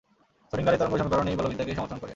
শ্রোডিংগারের তরঙ্গ সমীকরণ এই বলবিদ্যাকেই সমর্থন করে।